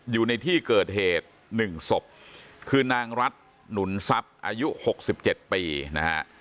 อยู่ในที่เกิดเหตุ๑ศพคือนางรัฐหนุนทรัพย์อายุ๖๗ปีนะฮะ